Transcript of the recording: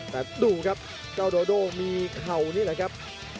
แต่ดูครับเจ้าโดโดมีเข่านี่แหละครับ